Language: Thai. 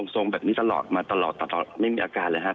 ทรงแบบนี้ตลอดมาตลอดตลอดไม่มีอาการเลยครับ